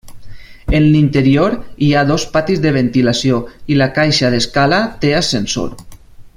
En l'interior hi ha dos patis de ventilació i la caixa d'escala té ascensor.